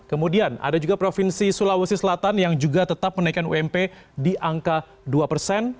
kemudian ada juga provinsi sulawesi selatan yang juga tetap menaikkan ump di angka dua persen